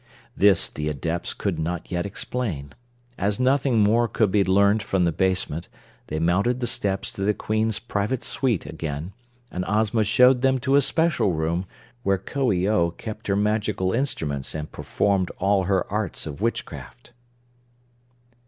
This the Adepts could not yet explain. As nothing more could be learned from the basement they mounted the steps to the Queen's private suite again, and Ozma showed them to a special room where Coo ee oh kept her magical instruments and performed all her arts of witchcraft.